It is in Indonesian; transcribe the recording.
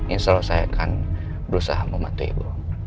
ini selesai kan berusaha membantu ibu